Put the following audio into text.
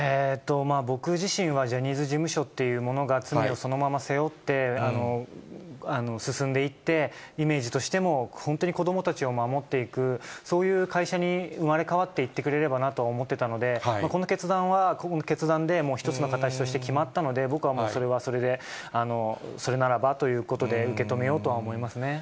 僕自身はジャニーズ事務所というものが罪をそのまま背負って進んでいって、イメージとしても、本当に子どもたちを守っていく、そういう会社に生まれ変わっていってくれればなと思ってたので、この決断はこの決断で、もう一つの形として決まったので、僕はもう、それはそれでそれならばということで、受け止めようとは思います